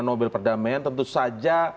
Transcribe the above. nobel perdamaian tentu saja